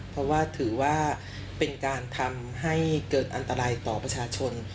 เพราะว่าถือว่าเป็นการทำให้เกิดอันตรายต่อประชาชน